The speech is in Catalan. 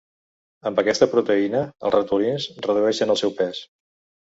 Amb aquesta proteïna, els ratolins redueixen el seu pes.